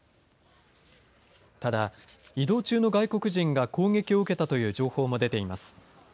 ただ、移動中の外国人が攻撃を受けたという情報も出ています。